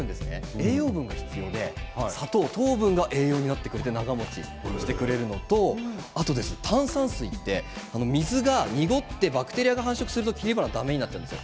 栄養分が必要で砂糖、糖分が栄養になって長もちしてくれるのとあと炭酸水は水が濁ってバクテリアが繁殖すると切り花がだめになっちゃうんですよ。